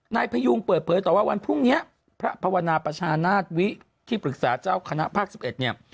พยุงเปิดเผยต่อว่าวันพรุ่งนี้พระภาวนาประชานาศวิที่ปรึกษาเจ้าคณะภาค๑๑เนี่ย